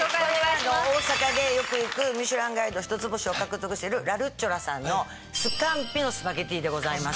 これは大阪でよく行くミシュランガイド１つ星を獲得してるラ・ルッチョラさんのスカンピのスパゲティでございます。